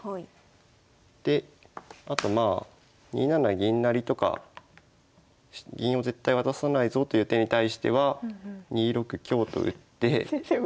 であとまあ２七銀成とか銀を絶対渡さないぞという手に対しては２六香と打って。